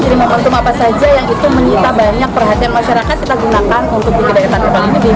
jadi momentum apa saja yang itu mencipta banyak perhatian masyarakat kita gunakan untuk buku kedai ketan kedai dunia